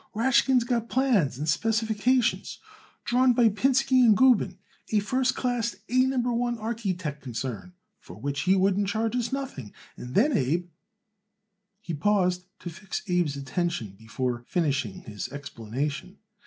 Rashkin's got plans and specifications drawn by Pinsky & Gubin, a first class, A Number One archy teck concern, for which he wouldn't charge us nothing, and then, Abe " He paused to fix Abe's attention before finishing his explanation.